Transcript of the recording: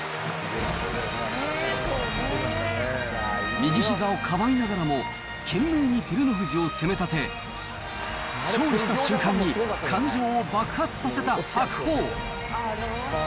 右ひざをかばいながらも、懸命に照ノ富士を攻めたて、勝利した瞬間に感情を爆発させた白鵬。